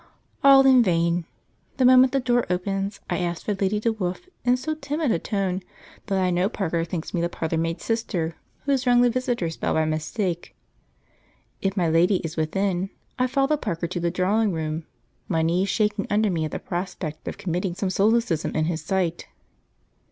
All in vain. The moment the door opens I ask for Lady DeWolfe in so timid a tone that I know Parker thinks me the parlour maid's sister who has rung the visitors' bell by mistake. If my lady is within, I follow Parker to the drawing room, my knees shaking under me at the prospect of committing some solecism in his sight.